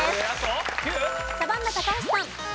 サバンナ高橋さん。